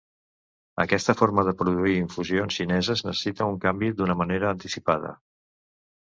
Aquesta forma de produir infusions xineses necessita un canvi, d'una manera anticipada.